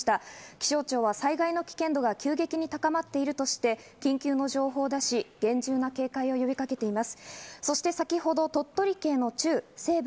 気象庁は災害の危険度が急激に高まってるとして、緊急の情報を出し、厳重な警戒を呼びかけています。